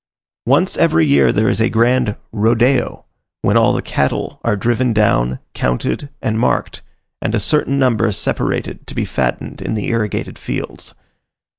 Once every year there is a grand "rodeo," when all the cattle are driven down, counted, and marked, and a certain number separated to be fattened in the irrigated fields.